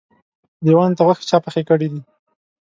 لېوانو ته غوښې چا پخې کړي دي؟